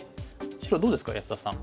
白どうですか安田さん。